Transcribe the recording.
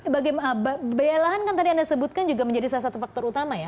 bagaimana biaya lahan kan tadi anda sebutkan juga menjadi salah satu faktor utama ya